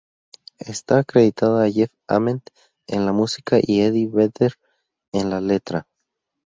Está acreditada a Jeff Ament en la música y Eddie Vedder en la letra.